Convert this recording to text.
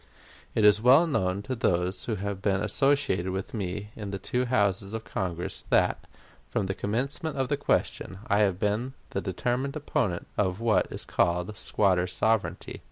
It is well known to those who have been associated with me in the two Houses of Congress that, from the commencement of the question, I have been the determined opponent of what is called squatter sovereignty.